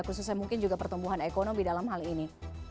khususnya mungkin juga pertumbuhan ekonomi dalam hal ini